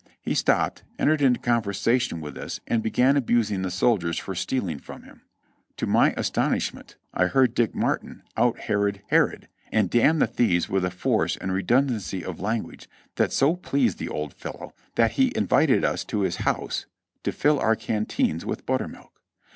He stopped, en tered into conversation with us and began abusing the soldiers for stealing from him. To my astonishment I heard Dick Martin out Herod Herod and damn the thieves with a force and redun dancy of language that so pleased the old fellow that he invited us to his house to fill our canteens with buttermilk.